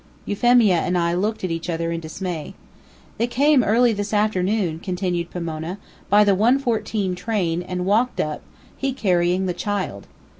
Euphemia and I looked at each other in dismay. "They came early this afternoon," continued Pomona, "by the 1:14 train, and walked up, he carrying the child."